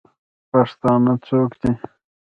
پښتانه څوک دئ؟